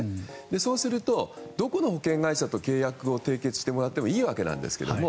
そうすると、どこの保険会社と契約を締結してもらってもいいわけなんですけれども。